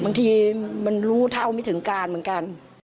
บางทีมันรู้เท่าไม่ถึงการเหมือนกัน